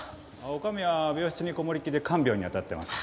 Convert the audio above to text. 女将は病室にこもりっきりで看病にあたってます。